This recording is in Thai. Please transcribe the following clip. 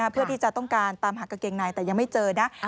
เพื่อที่จะต้องการตามหากางเกงในแต่ยังไม่เจอนะ